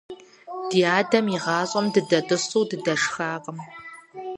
Ди адэм игъащӀэм дыдэтӀысу дыдэшхакъым.